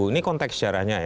ini konteks sejarahnya ya